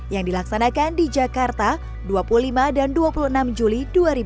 yang dilaksanakan di jakarta dua puluh lima dan dua puluh enam juli dua ribu dua puluh